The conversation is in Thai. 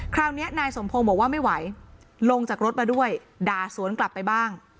คราวนี้นายสมพงศ์บอกว่าไม่ไหวลงจากรถมาด้วยด่าสวนกลับไปบ้าง